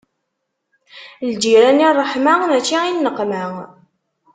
Lǧiran, i ṛṛeḥma mačči i nneqma.